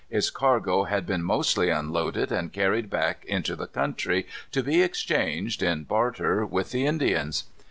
Its cargo had been mostly unloaded and carried back into the country, to be exchanged, in barter, with the Indians.